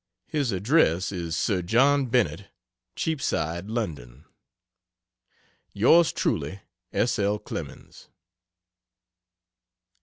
His address is "Sir John Bennett, Cheapside, London." Yrs Truly S. L. CLEMENS.